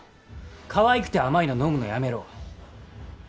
かわいくて甘いの飲むのやめろ